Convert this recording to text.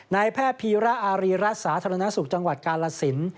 นายแพทย์พีระอารีรัฐสาธารณสุขจังหวัดกาลสิน